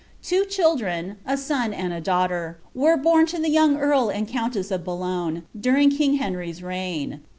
Two children, a son and a daughter, were bom to the young earl and countess of Boulogne, during king Henry's reign.